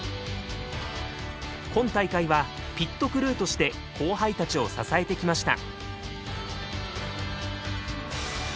今大会はピットクルーとして後輩たちを支えてきました。